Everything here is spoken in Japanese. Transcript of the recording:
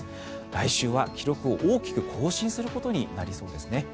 来週は大きく記録を更新することになりそうですね。